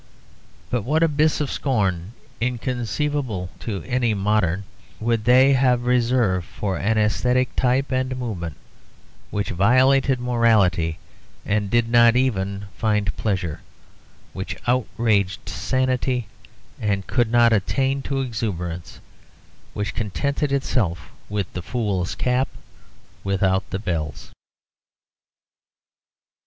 But what abysses of scorn, inconceivable to any modern, would they have reserved for an aesthetic type and movement which violated morality and did not even find pleasure, which outraged sanity and could not attain to exuberance, which contented itself with the fool's cap without the bells!